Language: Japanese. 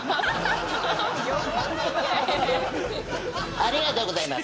ありがとうございます。